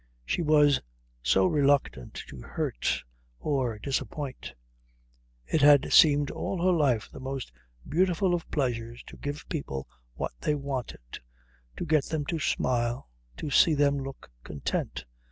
She was so reluctant to hurt or disappoint. It had seemed all her life the most beautiful of pleasures to give people what they wanted, to get them to smile, to see them look content.